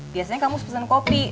biasanya kang mus pesen kopi